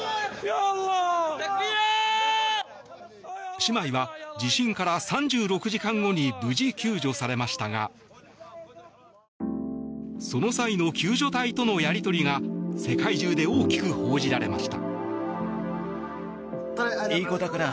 姉妹は地震から３６時間後に無事、救助されましたがその際の救助隊とのやり取りが世界中で大きく報じられました。